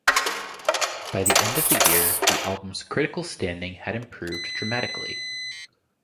By the end of the year, the album's critical standing had improved dramatically.